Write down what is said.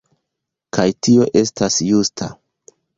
Kaj tio estas justa.